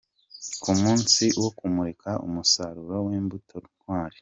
Ku munsi wo kumurika umusaruro w'imbuto Ntwari.